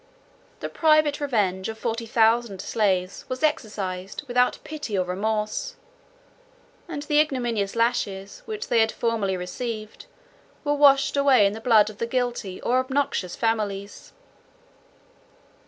The private revenge of forty thousand slaves was exercised without pity or remorse; and the ignominious lashes, which they had formerly received, were washed away in the blood of the guilty, or obnoxious, families.